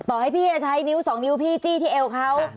ต่อให้พี่จะใช้นิ้วสองนิ้วพี่จี้ที่เอวเขา